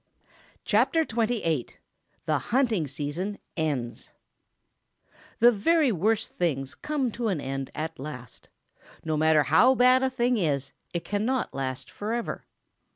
CHAPTER XXVIII THE HUNTING SEASON ENDS The very worst things come to an end at last. No matter how bad a thing is, it cannot last forever.